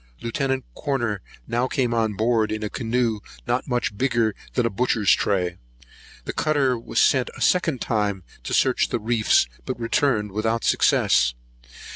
Lieut. Corner now came on board, in a canoe not much bigger than a butcher's tray. The cutter was sent a second time to search the reefs, but returned without success.